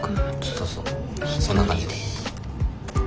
そうそうそんな感じで。